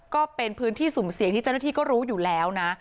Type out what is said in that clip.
ก็เป็นพื้นที่สุ่มเสี่ยงที่เจ้าหน้าที่ก็รู้อยู่แล้วนะ